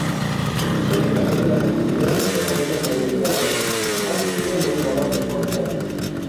Históricamente las actividades económicas mayoritarias han sido los trabajos forestales.